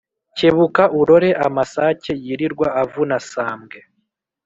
Kebuka urore amasake yirirwa avuna sambwe